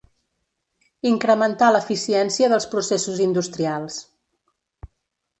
Incrementar l'eficiència dels processos industrials.